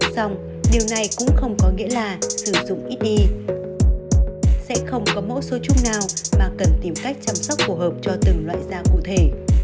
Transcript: xong điều này cũng không có nghĩa là sử dụng ít đi sẽ không có mẫu xô trung nào mà cần tìm cách chăm sóc phù hợp cho từng loại da cụ thể